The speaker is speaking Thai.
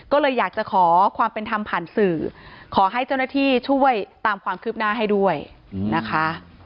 ก็เลยอยากจะขอความเป็นธรรมผ่านสื่อขอให้เจ้าหน้าที่ช่วยตามความคืบหน้าให้ด้วยนะคะ